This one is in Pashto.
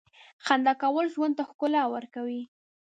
• خندا کول ژوند ته ښکلا ورکوي.